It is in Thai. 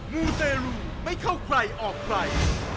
มูเตรลูไม่เข้าใครออกใคร